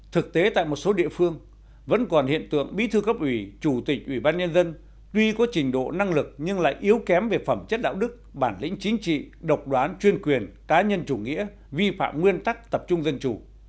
thực tế tại một số địa phương vẫn còn hiện tượng bí thư cấp ủy chủ tịch ủy ban nhân dân tuy có trình độ năng lực nhưng lại yếu kém về phẩm chất đạo đức bản lĩnh chính trị độc đoán chuyên quyền cá nhân chủ nghĩa vi phạm nguyên tắc tập trung dân chủ